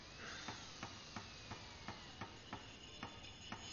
Na hlavní i boční fasádě se uplatňuje rizalit zakončený renesančním štítem.